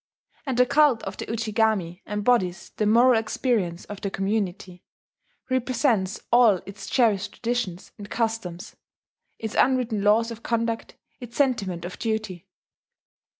And the cult of the Ujigami embodies the moral experience of the community, represents all its cherished traditions and customs, its unwritten laws of conduct, its sentiment of duty